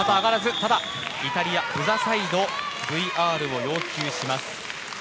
ただイタリア、ブザサイドＶＲを要求します。